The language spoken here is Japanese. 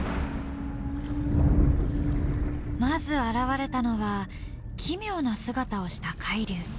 まず現れたのは奇妙な姿をした海竜。